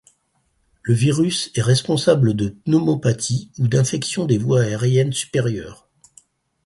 Le virus est responsables de pneumopathies ou d'infections des voies aériennes supérieures.